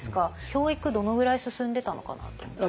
教育どのぐらい進んでたのかなと思って。